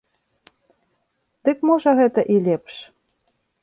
Дык можа гэта і лепш.